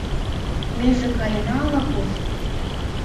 Меже каена ала-куш?